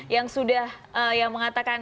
yang sudah yang mengatakan